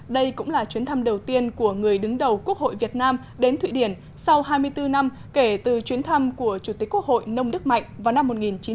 đây cũng là chuyến thăm đầu tiên của người đứng đầu quốc hội việt nam đến thụy điển sau hai mươi bốn năm kể từ chuyến thăm của chủ tịch quốc hội nông đức mạnh vào năm một nghìn chín trăm bảy mươi